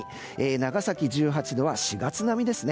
長崎、１８度は４月並みですね。